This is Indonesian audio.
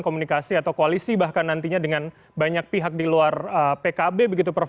komunikasi atau koalisi bahkan nantinya dengan banyak pihak di luar pkb begitu prof